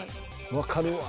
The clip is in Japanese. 分かるわ。